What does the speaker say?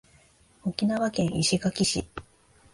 沖縄県石垣市